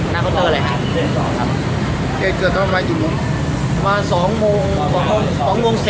เงินเกิดถึงเมื่อไกลกี่โมง